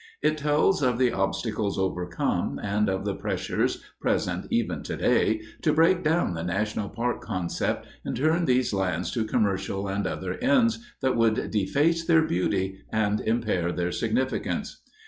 It tells of the obstacles overcome, and of the pressures, present even today, to break down the national park concept, and turn these lands to commercial and other ends that would deface their beauty and impair their significance.